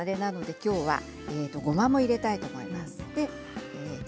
きょうはごまも入れたいと思います。